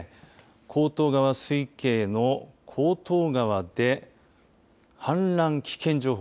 厚東川水系の厚東川で氾濫危険情報